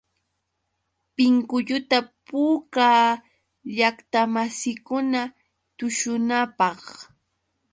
Pinkulluta puukaa llaqtamasiikuna tushunanpaq.